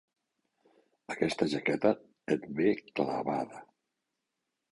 Aquesta jaqueta et ve clavada.